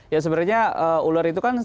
ya sebenarnya ular itu kan